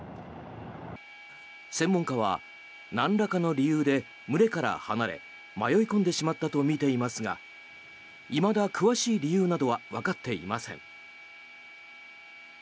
専門家はなんらかの理由で群れから離れ迷い込んでしまったとみていますがいまだ詳しい理由などはわかっていません。